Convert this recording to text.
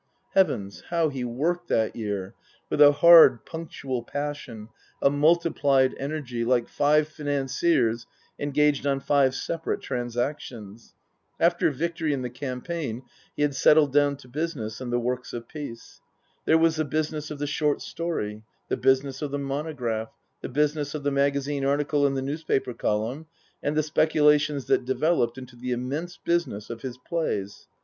Heavens, how he worked that year ! With a hard, punctual passion, a multiplied energy, like five financiers engaged on five separate transactions. After victory in the campaign he had settled down to business and the works of peace. There was the business of the short story ; the business of the monograph ; the business of the magazine article and the newspaper column, and the speculations that developed into the immense business of his plays.